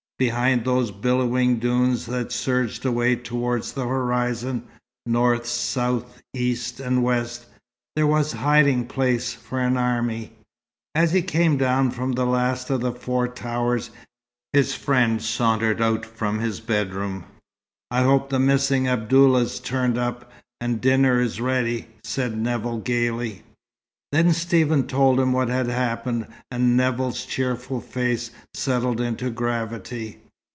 Behind those billowing dunes that surged away toward the horizon, north, south, east, and west, there was hiding place for an army. As he came down from the last of the four towers, his friend sauntered out from his bedroom. "I hope the missing Abdallah's turned up, and dinner's ready," said Nevill gaily. Then Stephen told him what had happened, and Nevill's cheerful face settled into gravity.